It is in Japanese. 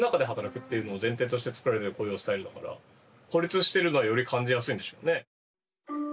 っていうのを前提として作られている雇用スタイルだから孤立してるのはより感じやすいんでしょうね。